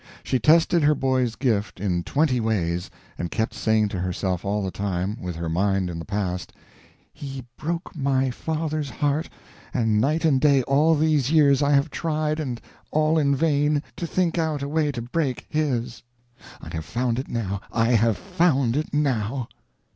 She tested her boy's gift in twenty ways, and kept saying to herself all the time, with her mind in the past: "He broke my father's heart, and night and day all these years I have tried, and all in vain, to think out a way to break his. I have found it now I have found it now."